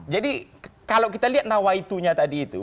jadi kalau kita lihat nawaitunya tadi itu